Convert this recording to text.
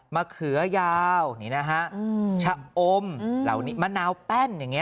เขือยาวนี่นะฮะชะอมเหล่านี้มะนาวแป้นอย่างนี้